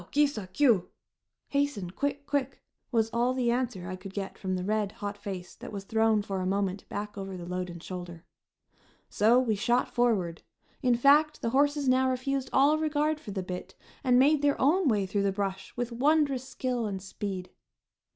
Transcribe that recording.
Ki sa! Kiu!" (Hasten! Quick! Quick!) was all the answer I could get from the red, hot face that was thrown for a moment back over the load and shoulder. So we shot forward. In fact, the horses now refused all regard for the bit, and made their own way through the brush with wondrous skill and speed.